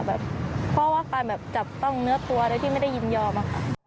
เพราะว่าการแบบจับต้องเนื้อตัวโดยที่ไม่ได้ยินยอมอะค่ะ